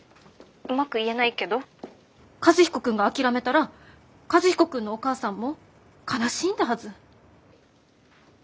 ☎うまく言えないけど和彦君が諦めたら和彦君のお母さんも悲しいんだはず。